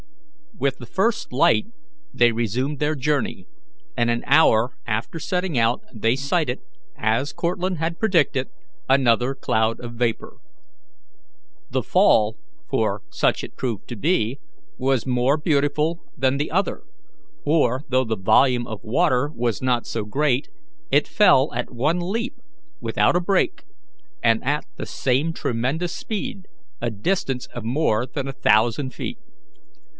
With the first light they resumed their journey, and an hour after setting out they sighted, as Cortlandt had predicted, another cloud of vapour. The fall for such it proved to be was more beautiful than the other, for, though the volume of water was not so great, it fell at one leap, without a break, and at the same tremendous speed, a distance of more than a thousand feet.